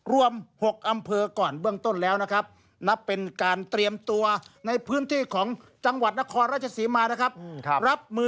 รวม๖อำเภอก่อนเบื้องต้นแล้วนะครับ